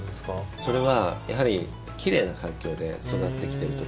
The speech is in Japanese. それは、やはり奇麗な環境で育ってきてるとか。